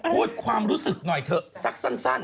พูดความรู้สึกหน่อยเถอะสักสั้น